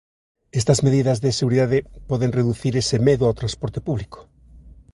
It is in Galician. Estas medidas de seguridade poden reducir ese medo ao transporte público.